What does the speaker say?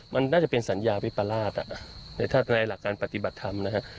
มันน่าจะเป็นสัญญาวิปราชถ้าในหลักการปฏิบัติธรรมนะฮะ